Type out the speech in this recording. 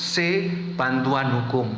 se bantuan hukum